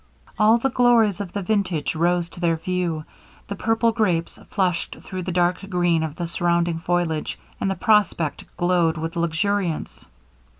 All the glories of the vintage rose to their view: the purple grapes flushed through the dark green of the surrounding foliage, and the prospect glowed with luxuriance.